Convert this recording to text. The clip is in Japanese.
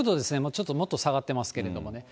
ちょっともっと下がってますけれどもね。